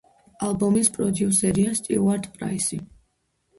ალბომის პროდიუსერია სტიუარტ პრაისი.